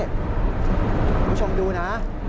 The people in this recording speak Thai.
คุณผู้ชมดูนะ